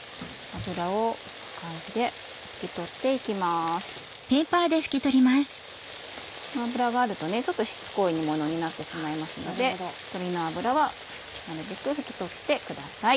脂があるとちょっとしつこい煮ものになってしまいますので鶏の脂はなるべく拭き取ってください。